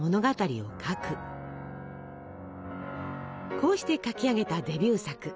こうして書き上げたデビュー作。